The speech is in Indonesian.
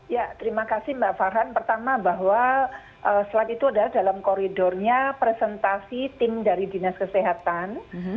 ya terima kasih mbak farhan pertama bahwa slide itu adalah dalam koridornya presentasi tim dari dinas kesehatan